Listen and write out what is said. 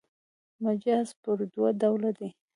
مجاز پر دوه ډوله دﺉ.